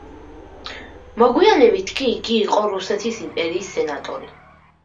მოგვიანებით კი იგი იყო რუსეთის იმპერიის სენატორი.